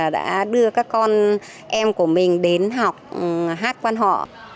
đã đưa các con em của mình đến học hát quan họ